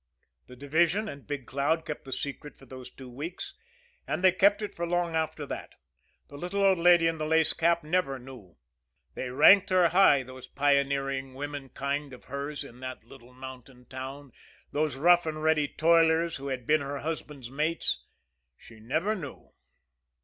The division and Big Cloud kept the secret for those two weeks and they kept it for long after that. The little old lady in the lace cap never knew they ranked her high, those pioneering women kind of hers in that little mountain town, those rough and ready toilers who had been her husband's mates she never knew.